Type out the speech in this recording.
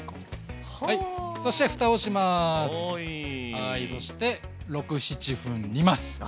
はいそして６７分煮ます。